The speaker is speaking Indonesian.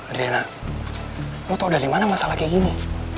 adriana lo tau dari mana masalah kayak gini